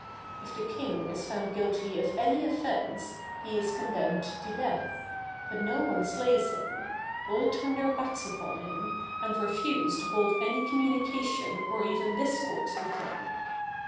If the king is found guilty of any offence, he is condemned to death; but no one slays him; all turn their backs upon him, and refuse to hold any communication or even discourse with him.